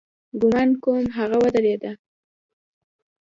ګومان کوم هغه وېرېده.